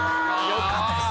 よかったです。